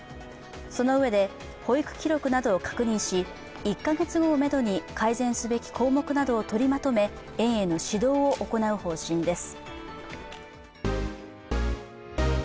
そのうえで保育記録などを確認し、１か月後をめどに改善すべき項目などをとりまとめ園への指導を行う方針です。